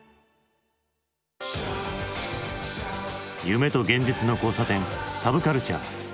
夢と現実の交差点サブカルチャー。